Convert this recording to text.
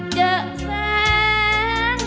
เจอแสง